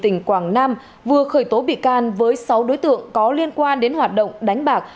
tỉnh quảng nam vừa khởi tố bị can với sáu đối tượng có liên quan đến hoạt động đánh bạc